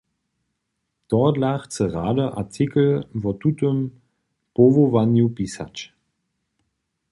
Tohodla chce rady artikl wo tutym powołanju pisać.